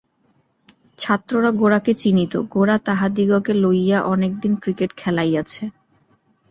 ছাত্ররা গোরাকে চিনিত– গোরা তাহাদিগকে লইয়া অনেকদিন ক্রিকেট খেলাইয়াছে।